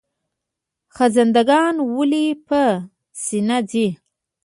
خزنده ګان ولې په سینه ځي؟